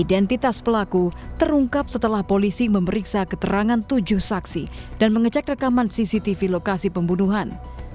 identitas pelaku terungkap setelah polisi memeriksa keterangan tujuh saksi dan mengecek rekaman cctv lokasi pembunuhan